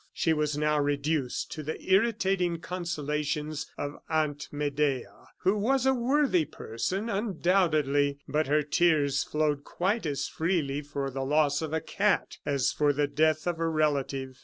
She was now reduced to the irritating consolations of Aunt Medea, who was a worthy person, undoubtedly, but her tears flowed quite as freely for the loss of a cat, as for the death of a relative.